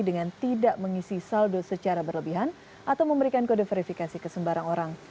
dengan tidak mengisi saldo secara berlebihan atau memberikan kode verifikasi ke sembarang orang